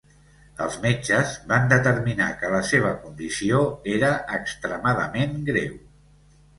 Els metges van determinar que la seva condició era "extremadament greu".